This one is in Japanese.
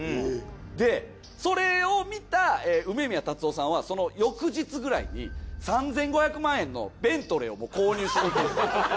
でそれを見た梅宮辰夫さんはその翌日くらいに３，５００万円のベントレーをもう購入しに行くんですよ。